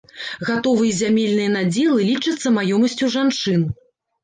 Гатовыя зямельныя надзелы лічацца маёмасцю жанчын.